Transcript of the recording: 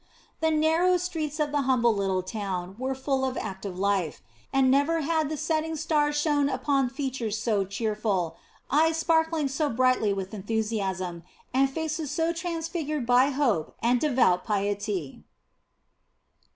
The narrow streets of the humble little town were full of active life, and never had the setting stars shone upon features so cheerful, eyes sparkling so brightly with enthusiasm, and faces so transfigured by hope and devout piety.